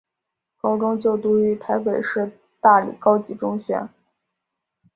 高中就读于台北市立大理高级中学。